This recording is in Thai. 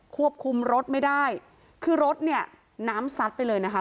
ควบคุมรถไม่ได้คือรถเนี่ยน้ำซัดไปเลยนะคะ